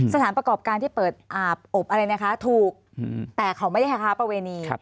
สถานประกอบการที่เปิดอาบอบอะไรนะคะถูกแต่เขาไม่ได้ค้าประเวณี